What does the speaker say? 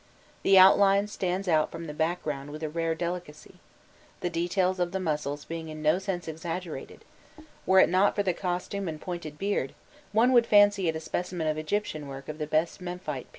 The outline stands out from the background with a rare delicacy, the details of the muscles being in no sense exaggerated: were it not for the costume and pointed beard, one would fancy it a specimen of Egyptian work of the best Memphite period.